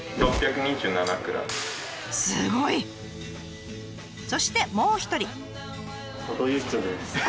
すごい！そしてもう一人。